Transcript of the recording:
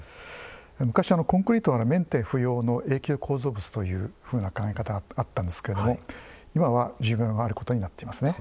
昔、コンクリートはメンテ不要の永久構造物という考え方があったんですけど今は、寿命があることになっています。